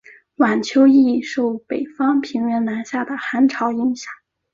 晚秋易受北方平原南下的寒潮影响。